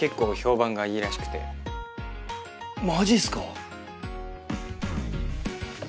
マジっすか？